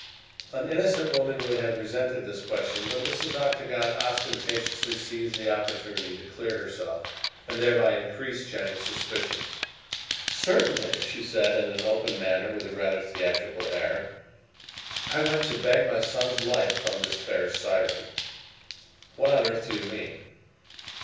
An innocent woman would have resented this question, but Mrs. Octagon ostentatiously seized the opportunity to clear herself, and thereby increased Jennings' suspicions. "Certainly," she said in an open manner and with a rather theatrical air, "I went to beg my son's life from this fair siren." "What on earth do you mean?"